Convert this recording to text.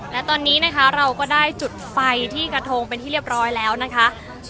และตอนนี้นะคะเราก็ได้จุดไฟที่กระทงเป็นที่เรียบร้อยแล้วนะคะ